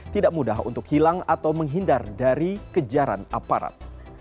tidak mudah untuk hilang atau menghindar dari kejaran aparat